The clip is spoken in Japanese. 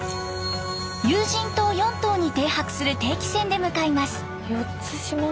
有人島４島に停泊する定期船で向かいます。